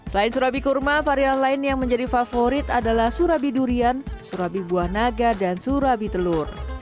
selain serabi kurma varian lain yang menjadi favorit adalah serabi durian serabi buah naga dan serabi telur